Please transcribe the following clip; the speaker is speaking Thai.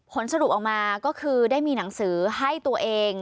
ผลสรุปออกมาก็คือได้มีหนังสือให้ตัวเอง